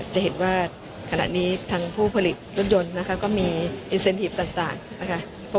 จะเห็นว่าขณะนี้ผู้ผลิตรถยนต์ก็จะมีสิทธิพต่างนะครับ